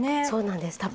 そうなんです。